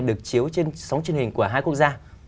được chiếu trên sóng truyền hình của hai quốc gia